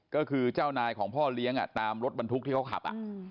ก็คือเจ้านายของพ่อเลี้ยงตามรถบรรทุกที่เขาขับ